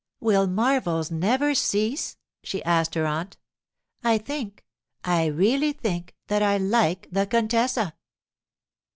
'Will marvels never cease?' she asked her aunt. 'I think—I really think that I like the contessa!